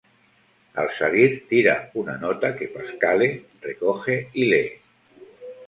Al salir, tira una nota que Pasquale recoge y lee.